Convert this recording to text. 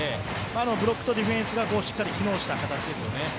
ブロックとディフェンスがしっかり機能した形ですよね。